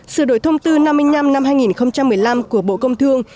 sửa đổi thông tư năm mươi năm năm hai nghìn một mươi năm của bộ công thương